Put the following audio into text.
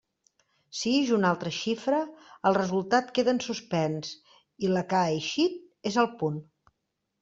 Si ix una altra xifra, el resultat queda en suspens i la que ha eixit és el punt.